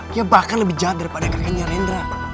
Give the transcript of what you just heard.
dia bahkan lebih jahat daripada kakinya rendra